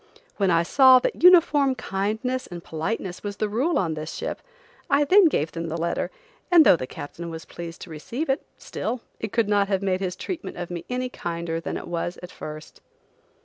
When I saw that uniform kindness and politeness was the rule on this ship, I then gave them the letter, and though the captain was pleased to receive it, still, it could not have made his treatment of me any kinder than it was at first.